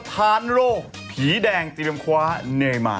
สถานโรคผีแดงรมคว้าเนม่า